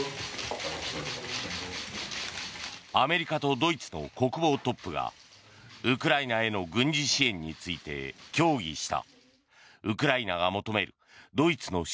アメリカとドイツの国防トップがウクライナへの軍事支援について協議した。